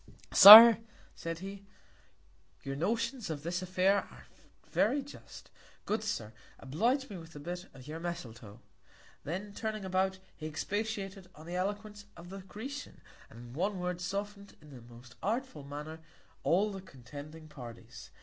Sir, said he, Your Notions in this Affair are very just: Good Sir, oblige me with a Bit of your Misletoe. Then turning about, he expatiated on the Eloquence of the Grecian, and in a Word, soften'd in the most artful Manner all the contending Parties.